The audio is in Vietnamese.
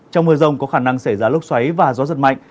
trong mưa rông có khả năng xảy ra lốc xoáy và gió giật mạnh